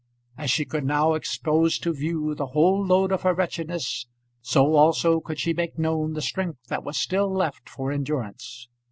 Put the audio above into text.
As she could now expose to view the whole load of her wretchedness, so also could she make known the strength that was still left for endurance.